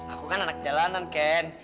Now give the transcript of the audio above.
aku kan anak jalanan ken